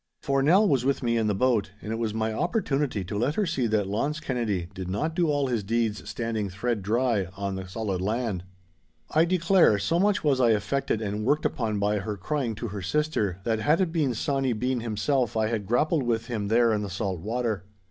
For Nell was with me in the boat, and it was my opportunity to let her see that Launce Kennedy did not do all his deeds standing thread dry on the solid land. I declare, so much was I affected and worked upon by her crying to her sister, that had it been Sawny Bean himself I had grappled with him there in the salt water.